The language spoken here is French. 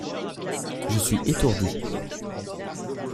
Je suis étourdi.